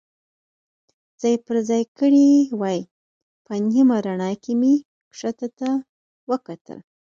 ځای پر ځای کړي وای، په نیمه رڼا کې مې کښته ته وکتل.